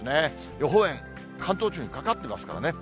予報円、関東地方にかかってますからね。